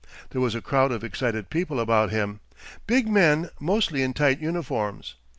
There was a crowd of excited people about him, big men mostly in tight uniforms.